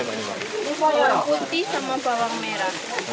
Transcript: bawang putih sama bawang merah